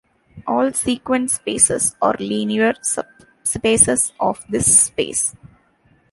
All sequence spaces are linear subspaces of this space.